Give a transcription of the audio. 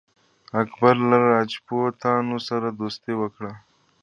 اکبر له راجپوتانو سره دوستي وکړه.